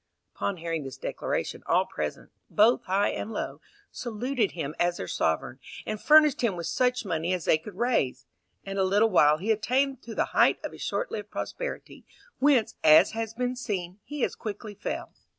Upon hearing this declaration, all present, both high and low, saluted him as their sovereign, and furnished him with such money as they could raise; in a little while he attained to the height of his short lived prosperity, whence, as has been seen, he as quickly fell.